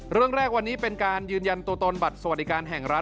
เรื่องแรกวันนี้เป็นการยืนยันตัวตนบัตรสวัสดิการแห่งรัฐ